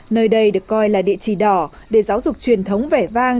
nơi đây được coi là địa chỉ đỏ để giáo dục truyền thống vẻ vang